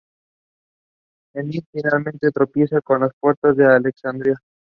Enid finalmente tropieza con las puertas de Alexandría.